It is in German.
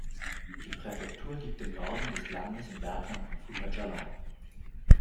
Die Präfektur liegt im Norden des Landes im Bergland von Fouta Djallon.